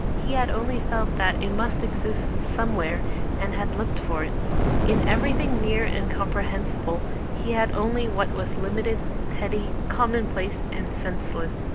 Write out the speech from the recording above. He had only felt that it must exist somewhere and had looked for it. In everything near and comprehensible he had seen only what was limited, petty, commonplace, and senseless.